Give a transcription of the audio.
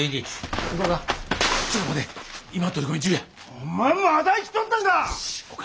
お前まだ生きとったんか！